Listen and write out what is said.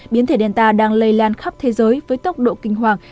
biến thể delta đang lây lan khắp thế giới với tốc độ kinh hoàng